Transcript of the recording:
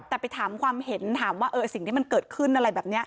แต่ไปถามความเห็นถามว่าสิ่งที่มันเกิดขึ้นอะไรแบบนี้